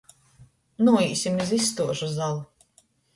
Nūīsim iz izstuožu zalu!